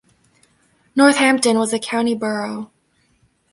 Northampton was a county borough.